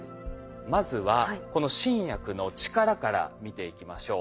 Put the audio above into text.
まずはこの新薬の力から見ていきましょう。